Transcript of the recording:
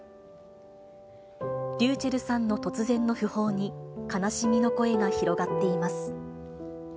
ｒｙｕｃｈｅｌｌさんの突然の訃報に、悲しみの声が広がっています。